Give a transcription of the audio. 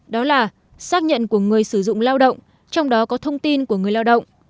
đó là xác nhận của người sử dụng lao động trong đó có thông tin của người lao động